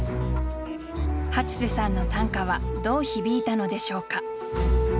初瀬さんの短歌はどう響いたのでしょうか？